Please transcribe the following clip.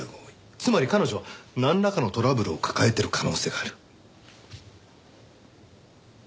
つまり彼女はなんらかのトラブルを抱えてる可能性がある。